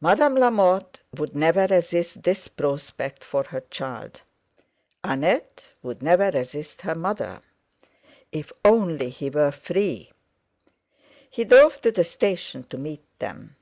Madame Lamotte would never resist this prospect for her child; Annette would never resist her mother. If only he were free! He drove to the station to meet them.